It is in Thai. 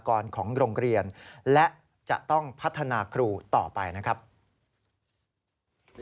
ครับคุณครูที่เป็นคนตรวจการบ้านเด็กเองตอนนี้เขาบอกว่าสภาพจิตใจย่ำแย่เครียดมากครับ